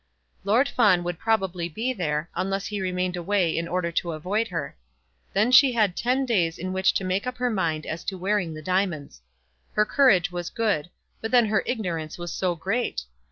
Lord Fawn would probably be there, unless he remained away in order to avoid her. Then she had ten days in which to make up her mind as to wearing the diamonds. Her courage was good; but then her ignorance was so great!